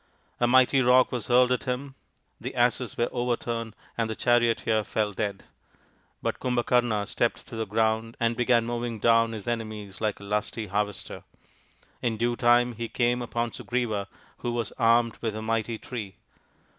A mighty rock was hurled at him, the asses were overturned, and the charioteer fell dead. But Kumbhakarna stepped to the ground and began mowing down his enemies like a lusty harvester. In due time he came upon Sugriva, who was armed with a mighty tree.